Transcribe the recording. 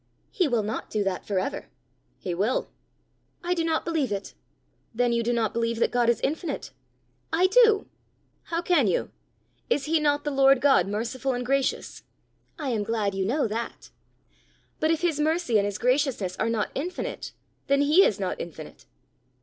"He will not do that for ever!" "He will." "I do not believe it." "Then you do not believe that God is infinite!" "I do." "How can you? Is he not the Lord God merciful and gracious?" "I am glad you know that." "But if his mercy and his graciousness are not infinite, then he is not infinite!"